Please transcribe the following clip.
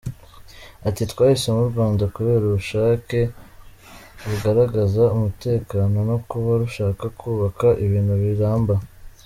Ati “Twahisemo u Rwanda kubera ubushake rugaragaza, umutekano no kuba rushaka kubaka ibintu biramba.